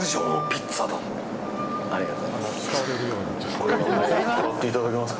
ありがとうございます。